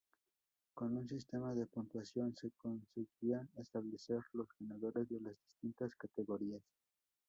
Con un sistema de puntuación se conseguían establecer los ganadores de las distintas categorías.